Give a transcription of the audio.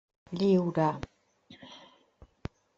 Lliure!